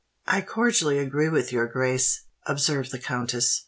"I cordially agree with your grace," observed the countess.